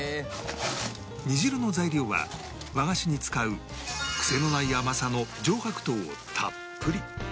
煮汁の材料は和菓子に使うクセのない甘さの上白糖をたっぷり！